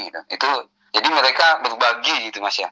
jadi mereka berbagi gitu mas ya